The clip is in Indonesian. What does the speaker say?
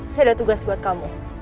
saya ada tugas buat kamu